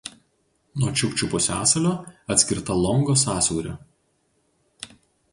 Nuo Čiukčių pusiasalio atskirta Longo sąsiauriu.